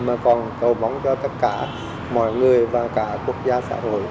mà còn cầu mong cho tất cả mọi người và cả quốc gia xã hội